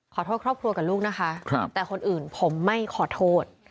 ขอโทษครอบครัวกับลูกนะคะแต่คนอื่นผมไม่ขอโทษ